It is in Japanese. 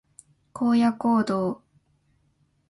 荒野行動